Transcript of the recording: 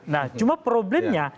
nah cuma problemnya